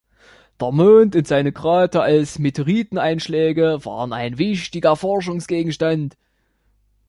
Der Mond und seine Krater als Meteoriteneinschläge waren ein wichtiger Forschungsgegenstand.